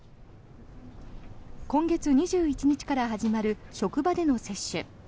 今月２１日から始まる職場の接種。